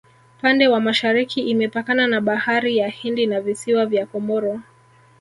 pande wa mashariki imepakana na bahari ya hindi na visiwa vya komoro